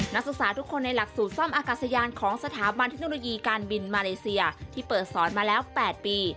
นักศึกษาทุกคนในหลักสูตรซ่อมอากาศยานของสถาบันเทคโนโลยีการบินมาเลเซียที่เปิดสอนมาแล้ว๘ปี